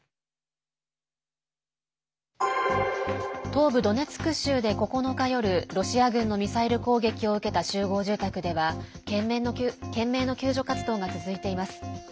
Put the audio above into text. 東部ドネツク州で９日夜ロシア軍のミサイル攻撃を受けた集合住宅では懸命の救助活動が続いています。